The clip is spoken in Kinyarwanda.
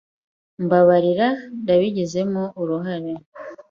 Mbabarira. Ndabigizemo uruhare.